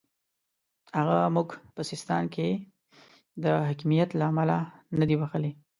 هغه موږ په سیستان کې د حکمیت له امله نه دی بخښلی.